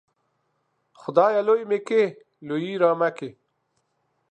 خدايه! لوى مې کې ، لويي رامه کې.